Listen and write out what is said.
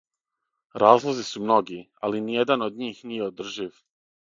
Разлози су многи, али ниједан од њих није одржив.